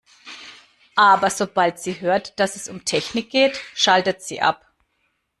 Aber sobald sie hört, dass es um Technik geht, schaltet sie ab.